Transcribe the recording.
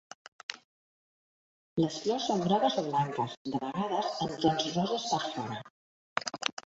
Les flors són grogues o blanques, de vegades amb tons roses per fora.